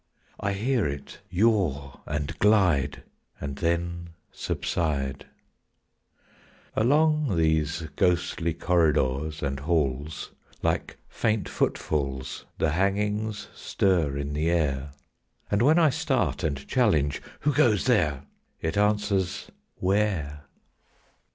I hear it yaw and glide, And then subside, Along these ghostly corridors and halls Like faint footfalls; The hangings stir in the air; And when I start and challenge, "Who goes there?" It answers, "Where?"